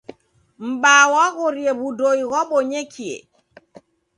M'baa waghorie w'udoi ghwabonyekie.